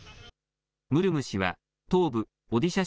ムルム氏は東部オディシャ